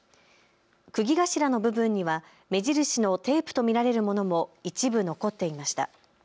くぎ頭の部分には目印のテープと見られるものも一部、残っていました。